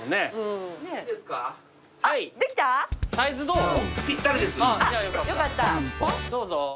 どうぞ。